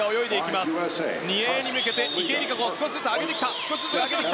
２泳に向けて池江璃花子少しずつ上げてきた。